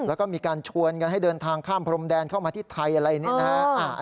แล้วก็มีการชวนกันให้เดินทางข้ามพรมแดนเข้ามาที่ไทยอะไรนี้นะฮะ